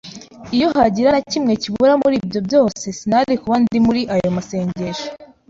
Iyo hagira na kimwe kibura muri ibyo byose, sinari kuba ndi muri ayo masengesho.